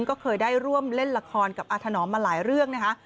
ก็เคยได้ร่วมเล่นละครกับอาถนอมมาหลายเรื่องนะคะ